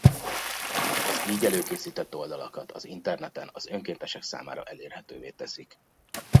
Az így előkészített oldalakat az interneten az önkéntesek számára elérhetővé teszik.